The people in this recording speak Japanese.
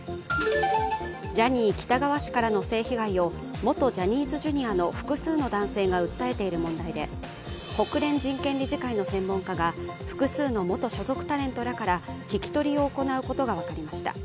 ジャニー喜多川氏からの性被害を元ジャニーズＪｒ．の複数の男性が訴えている問題で国連人権理事会の専門家が複数の元所属タレントらから聞き取りを行う予定であることが分かりました。